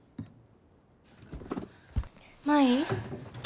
舞。